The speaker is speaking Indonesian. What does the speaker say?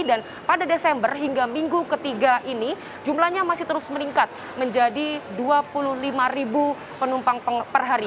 dan pada desember hingga minggu ketiga ini jumlahnya masih terus meningkat menjadi dua puluh lima penumpang per hari